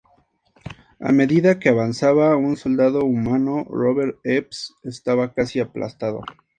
A medida que avanzaba, un soldado humano, Robert Epps, estaba casi aplastado.